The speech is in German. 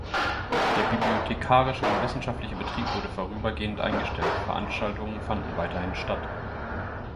Der bibliothekarische und wissenschaftliche Betrieb wurde vorübergehend eingestellt; Veranstaltungen fanden weiterhin statt.